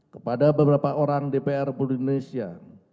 kepada beberapa orang dpr republik indonesia